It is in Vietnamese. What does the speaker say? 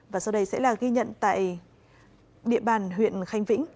và sau đây sẽ là ghi nhận tại địa bàn huyện khánh vĩnh